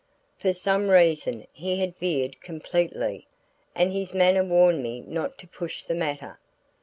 For some reason he had veered completely, and his manner warned me not to push the matter.